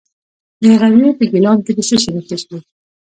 د غزني په ګیلان کې د څه شي نښې دي؟